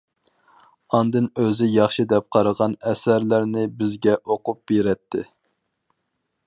ئاندىن ئۆزى ياخشى دەپ قارىغان ئەسەرلەرنى بىزگە ئوقۇپ بېرەتتى.